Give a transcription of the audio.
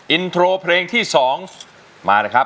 อินโทรเพลงที่๒มาเลยครับ